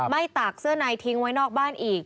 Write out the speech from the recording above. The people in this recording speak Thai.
ตากเสื้อในทิ้งไว้นอกบ้านอีก